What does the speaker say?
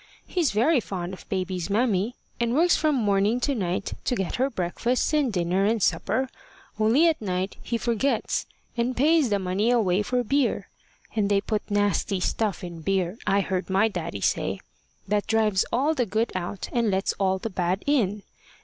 He's very fond of baby's mammy, and works from morning to night to get her breakfast and dinner and supper, only at night he forgets, and pays the money away for beer. And they put nasty stuff in beer, I've heard my daddy say, that drives all the good out, and lets all the bad in.